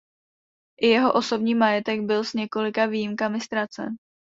I jeho osobní majetek byl s několika výjimkami ztracen.